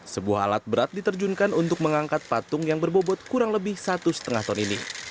sebuah alat berat diterjunkan untuk mengangkat patung yang berbobot kurang lebih satu lima ton ini